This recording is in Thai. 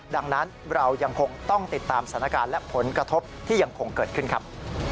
ดังนั้นเรายังคงต้องติดตามสถานการณ์และผลกระทบที่ยังคงเกิดขึ้นครับ